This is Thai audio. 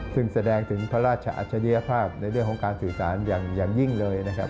ซึ่งแสดงถึงพระราชอัจฉริยภาพในเรื่องของการสื่อสารอย่างยิ่งเลยนะครับ